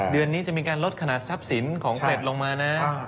เดือนนี้จะมีการลดขนาดทรัพย์สินของเกล็ดลงมานะ